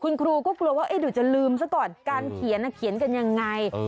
คุณครูก็กลัวว่าเดี๋ยวจะลืมซะก่อนการเขียนเขียนกันยังไง